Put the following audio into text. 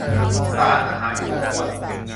สารอาหารครบถ้วน